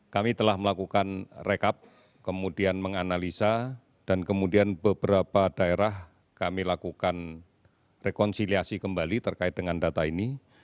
kami telah melakukan rekap kemudian menganalisa dan kemudian beberapa daerah kami lakukan rekonsiliasi kembali terkait dengan data ini